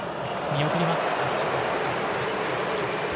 見送ります。